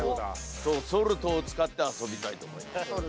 ソルトを使って遊びたいと思います。